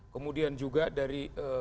kemudian juga dari